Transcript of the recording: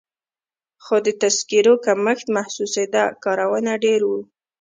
خو د تذکیرو کمښت محسوسېده، کارونه ډېر وو.